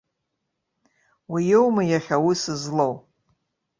Уи аума иахьа аус злоу?